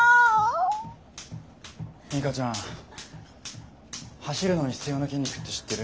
ミカちゃん走るのに必要な筋肉って知ってる？